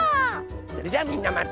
それじゃあみんなまたね！